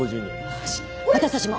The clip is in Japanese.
よし私たちも。